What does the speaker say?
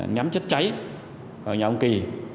nhắm chất cháy vào nhà ông kỳ